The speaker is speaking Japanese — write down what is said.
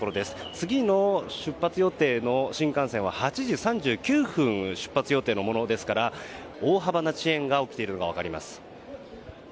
次の出発予定の新幹線は８時３９分出発予定のものですから大幅な遅延が起きているのが分かります。